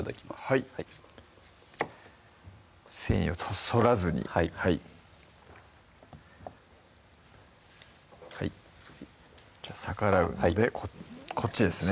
はい繊維をそらずにはいはい逆らうのでこっちですね